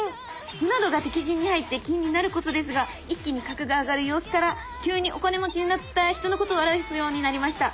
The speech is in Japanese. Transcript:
歩などが敵陣に入って金に成ることですが一気に格が上がる様子から急にお金持ちになった人のことを表すようになりました。